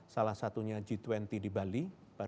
salah satunya g dua puluh di bali